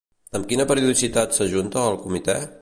Amb quina periodicitat s'ajunta el comitè?